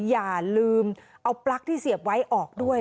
อย่าลืมเอาปลั๊กที่เสียบไว้ออกด้วย